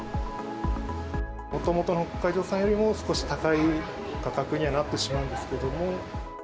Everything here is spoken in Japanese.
もともとの北海道産よりも少し高い価格にはなってしまうんですけれども。